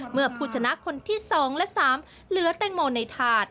เมื่อผู้ชนะคนที่๒และ๓เหลือแตงโมในถาด